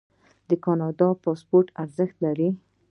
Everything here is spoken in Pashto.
د کاناډا پاسپورت ارزښت لري.